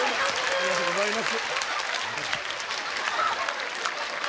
ありがとうございます。